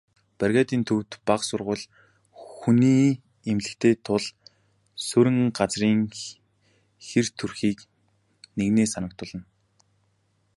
Бригадын төвд бага сургууль, хүний эмнэлэгтэй тул суурин газрын хэр төрхийг нэгнээ санагдуулна.